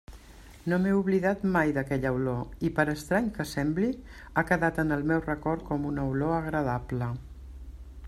No m'he oblidat mai d'aquella olor, i per estrany que sembli, ha quedat en el meu record com una olor agradable.